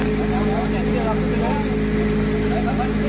นะคะนี่คือภาพวินาทีที่เจ้าหน้าที่นำร่างของผู้เสียชีวิตขึ้นมาจากบ่อบาดานค่ะ